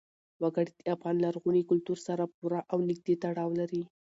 وګړي د افغان لرغوني کلتور سره پوره او نږدې تړاو لري.